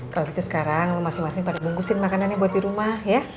kalau gitu sekarang masing masing pada bungkusin makanannya buat di rumah ya